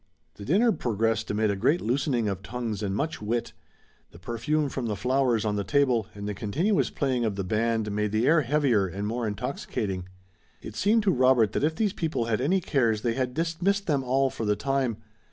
The dinner progressed amid a great loosening of tongues and much wit. The perfume from the flowers on the table and the continuous playing of the band made the air heavier and more intoxicating. It seemed to Robert that if these people had any cares they had dismissed them all for the time.